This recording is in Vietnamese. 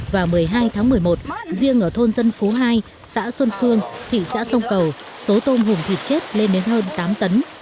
vào một mươi hai tháng một mươi một riêng ở thôn dân phú hai xã xuân phương thị xã sông cầu số tôm hùm thịt chết lên đến hơn tám tấn